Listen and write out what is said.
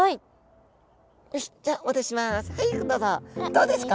どうですか？